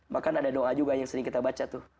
bahkan ada doa juga yang sering kita baca tuh